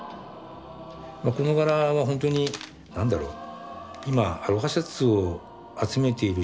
この柄は本当に何だろう。